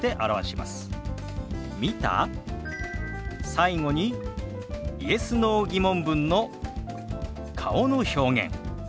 最後にＹｅｓ／Ｎｏ−疑問文の顔の表現。